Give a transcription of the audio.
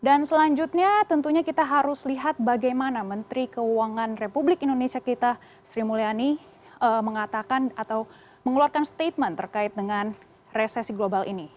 dan selanjutnya tentunya kita harus lihat bagaimana menteri keuangan republik indonesia kita sri mulyani mengatakan atau mengeluarkan statement terkait dengan resesi global ini